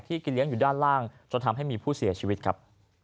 กินเลี้ยงอยู่ด้านล่างจนทำให้มีผู้เสียชีวิตครับ